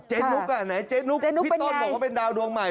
นุ๊กอ่ะไหนเจ๊นุ๊กพี่ต้นบอกว่าเป็นดาวดวงใหม่